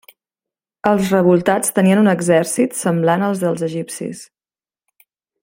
Els revoltats tenien un exèrcit semblant al dels egipcis.